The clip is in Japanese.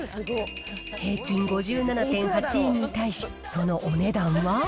平均５７．８円に対し、そのお値段は。